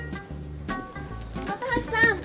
本橋さん。